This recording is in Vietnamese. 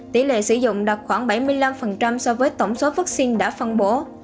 tỷ lệ sử dụng đạt khoảng bảy mươi năm so với tổng số vắc xin đã phân bổ